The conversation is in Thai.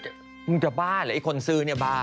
มึงจะบ้าเหรอไอ้คนซื้อเนี่ยบ้า